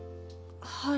はい。